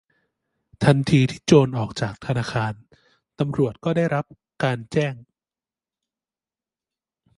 ทันทีที่โจรออกจากธนาคาร ตำรวจก็ได้รับการแจ้ง